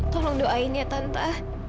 tolong doain ya tante